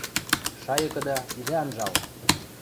Шайыкыда идӓ анжал!